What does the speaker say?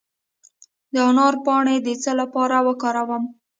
د انار پاڼې د څه لپاره وکاروم؟